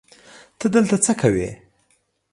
ته دلته څه کوی